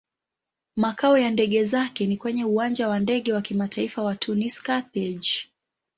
Makao ya ndege zake ni kwenye Uwanja wa Ndege wa Kimataifa wa Tunis-Carthage.